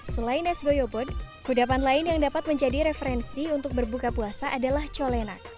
selain es goyobot kudapan lain yang dapat menjadi referensi untuk berbuka puasa adalah colenak